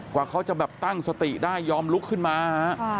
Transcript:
กว่าเขาจะแบบตั้งสติได้ยอมลุกขึ้นมาฮะ